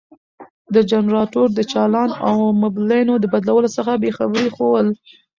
د جنراتور د چالان او مبلينو د بدلولو څخه بې خبري ښوول.